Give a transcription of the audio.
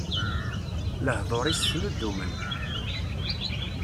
Lehduṛ-is snuddumen.